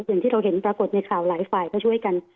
อย่างที่เราเห็นปรากฏในข่าวหลายฝ่ายก็ช่วยกัน